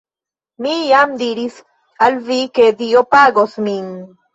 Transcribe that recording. Mi jam diris al vi ke Dio pagos min